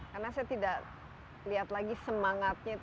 karena saya tidak lihat lagi semangatnya